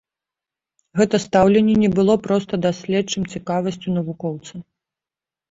Гэта стаўленне не было проста даследчым цікавасцю навукоўца.